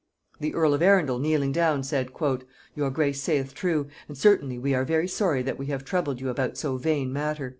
The earl of Arundel kneeling down said, "Your grace sayeth true, and certainly we are very sorry that we have troubled you about so vain matter."